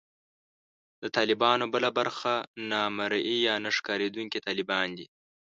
د طالبانو بله برخه نامرئي یا نه ښکارېدونکي طالبان دي